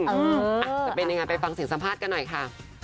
จะเป็นยังไงไปฟังเสียงสัมภาษณ์กันหน่อยค่ะ